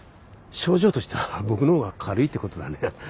症状としては僕の方が軽いってことだね。